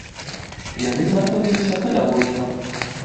Яны знаходзіліся каля возера.